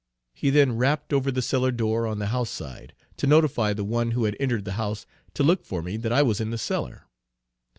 He then rapped over the cellar door on the house side, to notify the one who had entered the house to look for me that I was in the cellar.